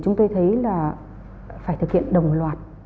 chúng tôi thấy là phải thực hiện đồng loạt